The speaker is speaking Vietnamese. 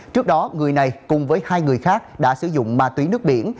trước đó người này cùng với hai người khác đã sử dụng ma túy nước biển